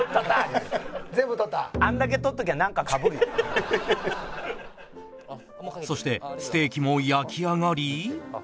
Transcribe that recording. あんだけ取っときゃそしてステーキも焼き上がり